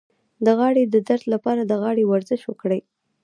د غاړې د درد لپاره د غاړې ورزش وکړئ